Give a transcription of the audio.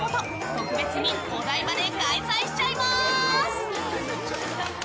特別にお台場で開催しちゃいます。